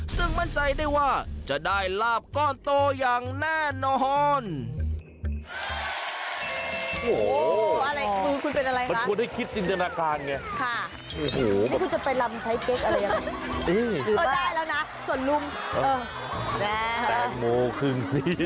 ซึ่งมั่นใจได้ว่าจะได้ลาบก้อนโตอย่างแน่นอน